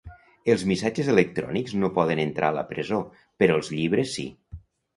Els missatges electrònics no poden entrar a la presó, però els llibres sí.